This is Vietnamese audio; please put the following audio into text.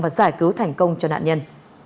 và giải cứu thành công cho nạn nhân